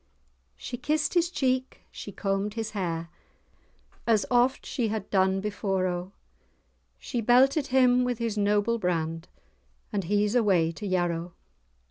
She kissed his cheek, she combed his hair, As oft she had done before, O, She belted him with his noble brand, "And he's away to Yarrow."